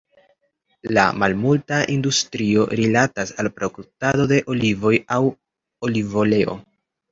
La malmulta industrio rilatas al produktado de olivoj aŭ olivoleo.